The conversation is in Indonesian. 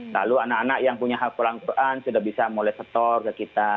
lalu anak anak yang punya haqlan quran sudah bisa mulai setor ke kita